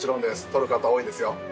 撮る方多いですよ。